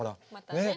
ねえ。